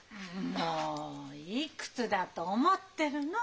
もういくつだと思ってるの？